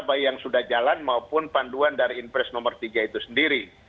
baik yang sudah jalan maupun panduan dari inpres nomor tiga itu sendiri